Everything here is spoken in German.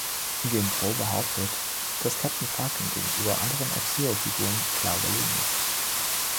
GamePro behauptet, dass Captain Falcon gegenüber anderen F-Zero-Figuren „klar überlegen“ ist.